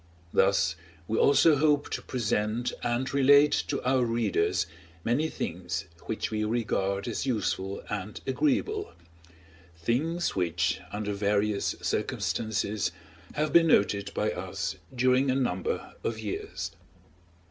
Thus we also hope to present and relate to our readers many things which we regard as useful and agreeable, things which, under various circumstances, have been noted by us during a number of years.